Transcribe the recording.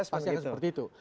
pasti akan seperti itu